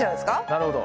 なるほど。